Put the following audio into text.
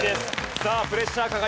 さあプレッシャーかかります。